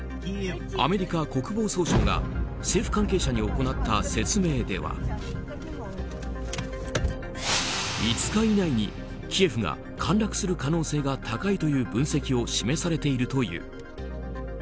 アメリカ国防総省が政府関係者に行った説明では５日以内にキエフが陥落する可能性が高いという分析が示されているという。